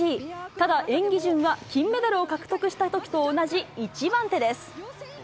ただ、演技順は金メダルを獲得したときと同じ１番手です。